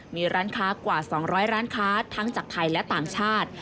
มีร้านค้ากว่า๒๐๐ร้านค้าทั้งจากไทยและต่างชาติ